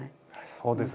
そうですね。